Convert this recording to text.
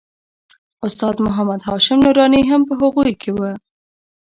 استاد محمد هاشم نوراني هم په هغوی کې و.